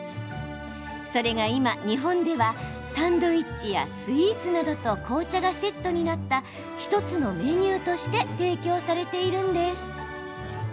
それが今、日本ではサンドイッチやスイーツなどと紅茶がセットになった１つのメニューとして提供されているんです。